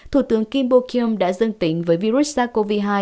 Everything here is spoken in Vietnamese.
thủ tướng kim bok yum đã dân tính với virus sars cov hai